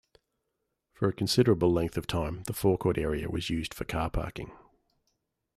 For a considerable length of time the forecourt area was used for car parking.